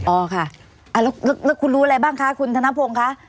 อ๋อค่ะแล้วคุณรู้อะไรบ้างคะคุณธนพงศ์คะ